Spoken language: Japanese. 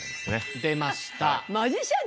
出ました！